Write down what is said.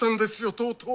とうとう。